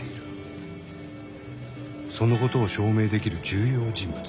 そのことを証明できる重要人物。